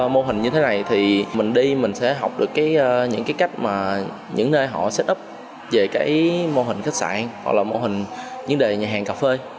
mô hình như thế này thì mình đi mình sẽ học được những cái cách mà những nơi họ start up về cái mô hình khách sạn hoặc là mô hình những đề nhà hàng cà phê